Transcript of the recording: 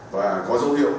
và có dấu hiệu